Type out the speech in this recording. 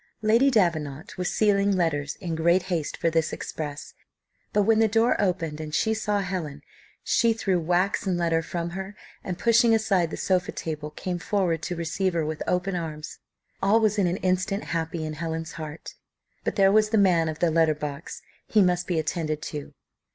Lady Davenant was sealing letters in great haste for this express, but when the door opened, and she saw Helen, she threw wax and letter from her, and pushing aside the sofa table, came forward to receive her with open arms. All was in an instant happy in Helen's heart; but there was the man of the letter box; he must be attended to.